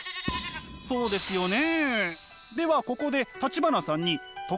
そうですよね。